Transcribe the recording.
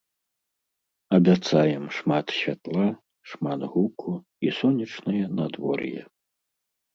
Абяцаем шмат святла, шмат гуку і сонечнае надвор'е!